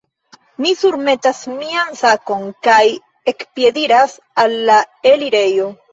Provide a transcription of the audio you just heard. Mi surmetas mian sakon, kaj ekpiediras al la elirejo.